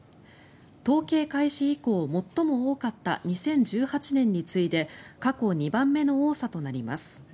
統計開始以降最も多かった２０１８年に次いで過去２番目の多さとなります。